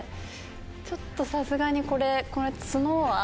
ちょっとさすがにこれ。